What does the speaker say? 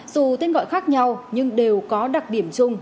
dù tên gọi khác nhau nhưng đều có đặc điểm chung